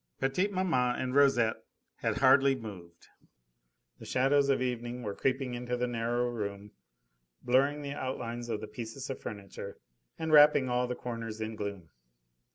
Petite maman and Rosette had hardly moved. The shadows of evening were creeping into the narrow room, blurring the outlines of the pieces of furniture and wrapping all the corners in gloom.